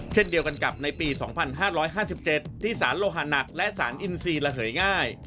เช่นเดียวกันกับในปี๒๕๕๗ที่สารโลหาหนักและสารอินทรีย์ระเหยง่าย